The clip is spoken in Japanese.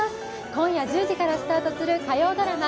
今夜１０時からスタートする火曜ドラマ